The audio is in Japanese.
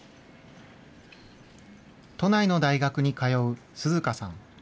都内の大学に通う涼花さん。